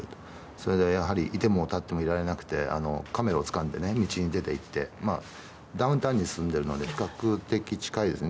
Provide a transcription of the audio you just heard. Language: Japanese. それでいても立ってもいられなくてカメラをつかんで道に出ていってダウンタウンに住んでいるので比較的近いですね。